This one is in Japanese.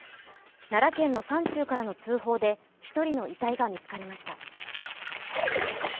奈良県の山中からの通報で１人の遺体が見つかりました。